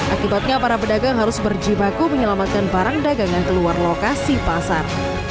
akibatnya para pedagang harus berjibaku menyelamatkan barang dagangan keluar lokasi pasar